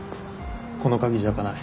この鍵じゃ開かない。